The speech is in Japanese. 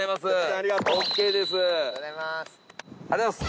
ありがとうございます。